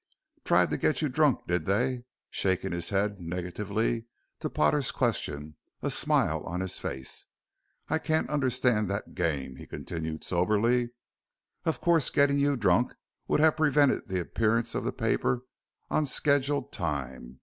"Tried to get you drunk, did they?" shaking his head negatively to Potter's question, a smile on his face. "I can't understand that game," he continued, soberly. "Of course getting you drunk would have prevented the appearance of the paper on scheduled time.